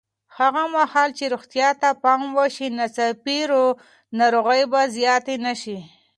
هغه مهال چې روغتیا ته پام وشي، ناڅاپي ناروغۍ به زیاتې نه شي.